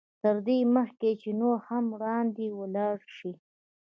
تر دې مخکې چې نور هم وړاندې ولاړ شئ.